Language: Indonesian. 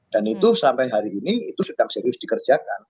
dan itu sampai hari ini itu sedang serius dikerjakan